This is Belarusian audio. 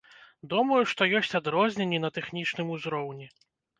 Думаю, што ёсць адрозненні на тэхнічным узроўні.